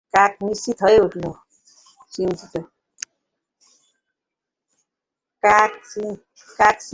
কাক চিন্তিত হয়ে উঠল।